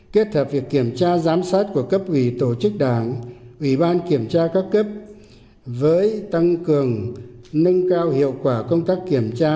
kết hợp việc kiểm tra giám sát của cấp ủy tổ chức đảng ủy ban kiểm tra các cấp với tăng cường nâng cao hiệu quả công tác kiểm tra